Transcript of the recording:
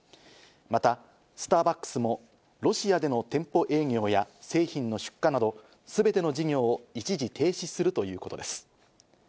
またスターバックスもロシアでの店舗営業や製品の出荷などすべての事業を一時停止するということです。